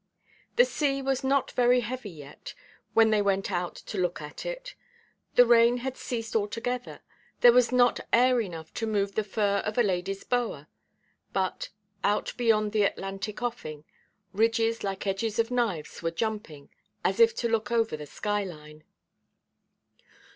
The sea was not very heavy yet, when they went out to look at it; the rain had ceased altogether; there was not air enough to move the fur of a ladyʼs boa; but, out beyond the Atlantic offing, ridges like edges of knives were jumping, as if to look over the sky–line.